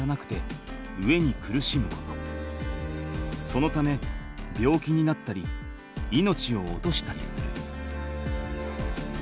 そのため病気になったり命を落としたりする。